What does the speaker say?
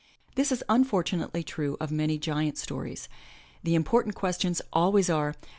This is unfortunately true of many giant stories. The important questions always are.